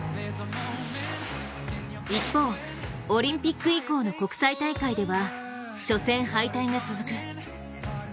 一方、オリンピック以降の国際大会では初戦敗退が続く。